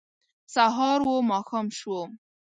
سهار و ماښام شو